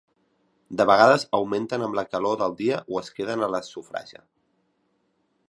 De vegades augmenten amb la calor del dia o es queden a la sofraja.